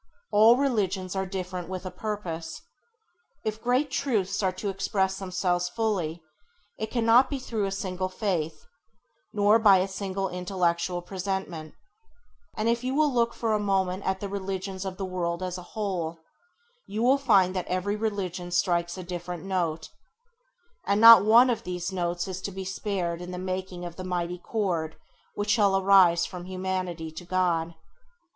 All religions are different with a purpose. If great truths are to express themselves fully, it cannot be through a single faith, nor by a single intellectual presentment; and if you will look for a moment at the religions of the world as a whole, you will find that every religion strikes a different note, and not one of these notes is to be spared in the making of the mighty chord which shall arise from humanity to God.